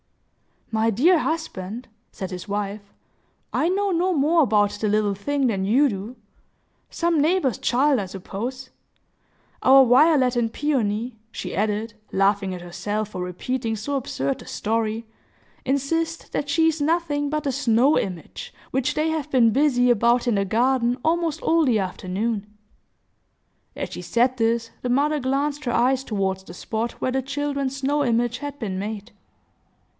"My dear husband," said his wife, "I know no more about the little thing than you do. Some neighbor's child, I suppose. Our Violet and Peony," she added, laughing at herself for repeating so absurd a story, "insist that she is nothing but a snow image, which they have been busy about in the garden, almost all the afternoon." As she said this, the mother glanced her eyes toward the spot where the children's snow image had been made.